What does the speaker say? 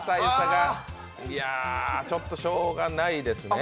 ちょっとしょうがないですね。